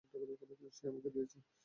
সে আমাকে দিয়েছে।